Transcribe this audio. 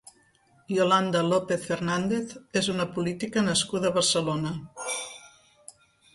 Yolanda López Fernández és una política nascuda a Barcelona.